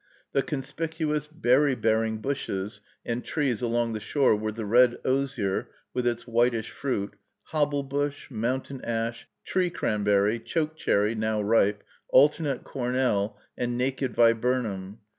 The conspicuous berry bearing bushes and trees along the shore were the red osier, with its whitish fruit, hobble bush, mountain ash, tree cranberry, choke cherry, now ripe, alternate cornel, and naked viburnum.